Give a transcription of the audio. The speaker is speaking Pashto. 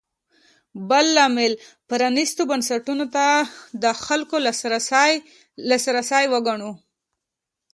بل لامل پرانېستو بنسټونو ته د خلکو لاسرسی وګڼو.